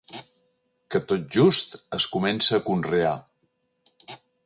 Que tot just es comença a conrear.